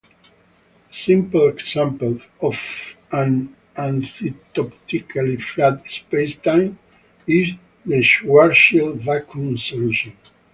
A simple example of an asymptotically flat spacetime is the Schwarzschild vacuum solution.